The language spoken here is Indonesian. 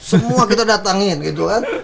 semua kita datangin gitu kan